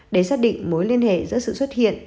để xác định mối liên hệ giữa sự xuất hiện